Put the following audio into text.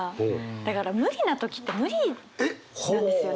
だから無理な時って無理なんですよね。